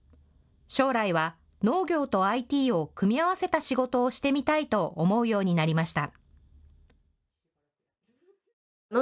将来は農業とＩＴを組み合わせた仕事をしてみたいと思うようになりました。